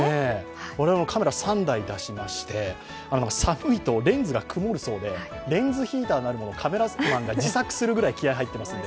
我々もカメラ３台出しまして寒いとレンズが曇るそうで、レンズヒーターなるものをカメラマンが自作するぐらい気合い入ってますんで。